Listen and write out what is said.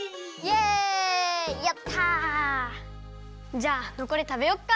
じゃあのこりたべよっか。